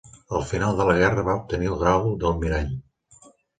Al final de la guerra va obtenir el grau d'almirall.